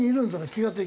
気が付いて。